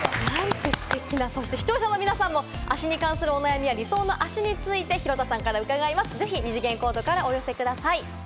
視聴者の皆さんも脚に関するお悩みや理想の脚について、ぜひ二次元コードからお寄せください。